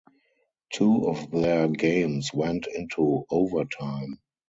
Two of their games went into overtime.